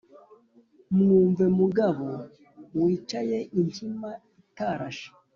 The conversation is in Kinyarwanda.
Mwumve mugabo wicayeinkima itarashe :